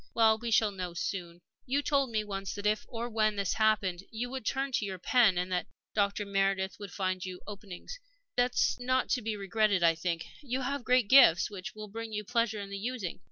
Well, we shall know soon. "You told me once that if, or when, this happened, you would turn to your pen, and that Dr. Meredith would find you openings. That is not to be regretted, I think. You have great gifts, which will bring you pleasure in the using.